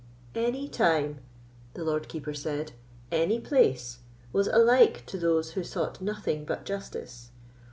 "Any time," the Lord Keeper said, "any place, was alike to those who sought nothing but justice.